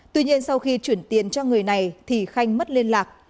tuy nhiên sau khi chuyển tiền cho người này thì khanh mất liên lạc